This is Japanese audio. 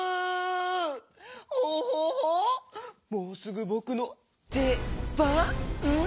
オホホもうすぐぼくのでばん？